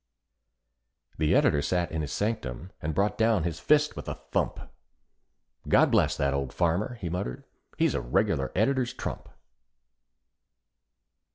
The Editor sat in his sanctum and brought down his fist with a thump: "God bless that old farmer," he muttered, "he's a regular Editor's trump."